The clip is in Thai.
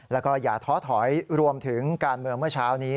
แล้วก็อย่าท้อถอยรวมถึงการเมืองเมื่อเช้านี้